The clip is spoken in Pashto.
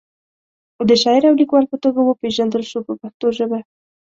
د شاعر او لیکوال په توګه وپیژندل شو په پښتو ژبه.